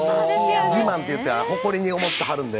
自慢っていうか誇りに思うてはるので。